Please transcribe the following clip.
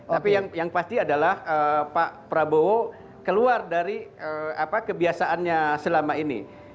tapi yang pasti adalah pak prabowo keluar dari kebiasaannya selama ini